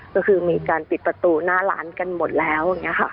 ก็คือมีการปิดประตูหน้าร้านกันหมดแล้ว